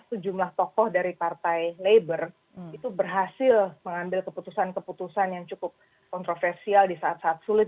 sejumlah tokoh dari partai labor itu berhasil mengambil keputusan keputusan yang cukup kontroversial di saat saat sulit